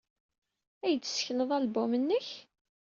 Ad iyi-d-tessekneḍ album-nnek?